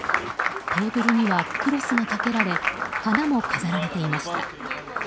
テーブルにはクロスがかけられ花も飾られていました。